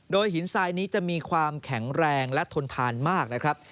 โดยหินทรายนี้จะมีความแข็งแรงและทนทานมากนะครับ